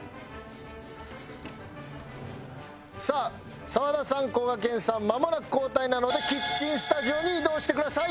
さあ澤田さんこがけんさんまもなく交代なのでキッチンスタジオに移動してください。